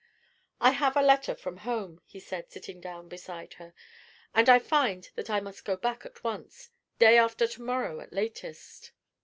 "I have a letter from home," he said, sitting down beside her, "and I find that I must go back at once, day after to morrow at latest."